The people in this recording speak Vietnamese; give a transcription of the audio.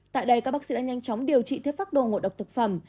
tại đây các bác sĩ đã nhanh chóng điều trị thiết pháp đồ ngộ độc thực phẩm